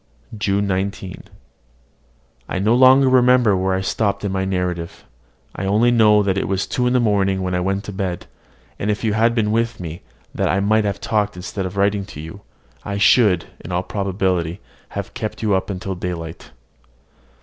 JUNE 19. I no longer remember where I stopped in my narrative: I only know it was two in the morning when I went to bed; and if you had been with me, that I might have talked instead of writing to you, I should, in all probability, have kept you up till daylight.